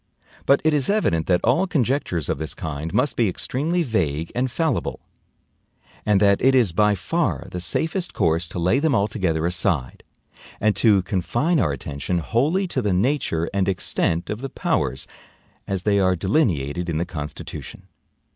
But it is evident that all conjectures of this kind must be extremely vague and fallible: and that it is by far the safest course to lay them altogether aside, and to confine our attention wholly to the nature and extent of the powers as they are delineated in the Constitution.